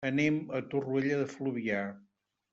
Anem a Torroella de Fluvià.